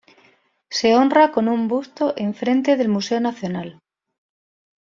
Se honra con un busto enfrente del Museo Nacional.